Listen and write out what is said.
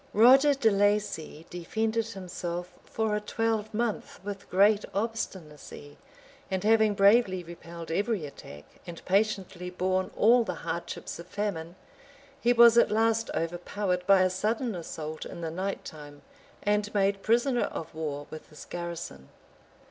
Roger de Laci defended himself for a twelvemonth with great obstinacy; and having bravely repelled every attack, and patiently borne all the hardships of famine, he was at last overpowered by a sudden assault in the night time, and made prisoner of war, with his garrison.